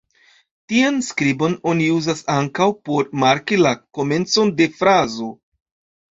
Tian skribon oni uzas ankaŭ por marki la komencon de frazo.